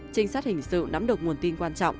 trinh sát hình sự nắm được nguồn tin quan trọng